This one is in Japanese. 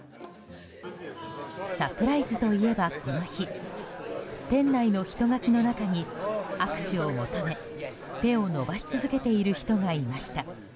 サプライズといえば、この日店内の人垣の中に握手を求め手を伸ばし続けている人がいました。